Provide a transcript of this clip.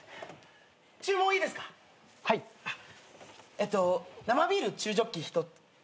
えっと生ビール中ジョッキ１つあっ